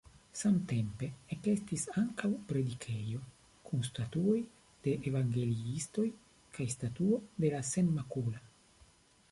Samtempe ekestis ankaŭ predikejo kun statuoj de evangeliistoj kaj statuo de la Senmakula.